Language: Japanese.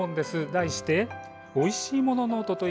題して「おいしいものノート」。